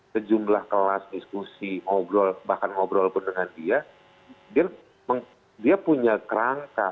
sejumlah kelas diskusi ngobrol bahkan ngobrol pun dengan dia dia punya kerangka